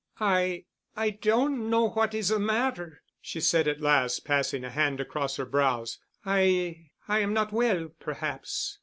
"I—I don't know—what is the matter," she said at last, passing a hand across her brows. "I—I am not well, perhaps.